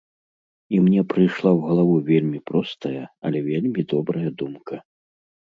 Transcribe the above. І мне прыйшла ў галаву вельмі простая, але вельмі добрая думка.